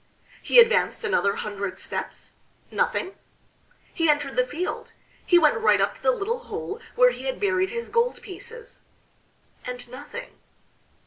He advanced another hundred steps nothing; he entered the field ... he went right up to the little hole where he had buried his gold pieces and nothing.